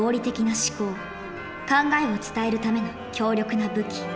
考えを伝えるための強力な武器。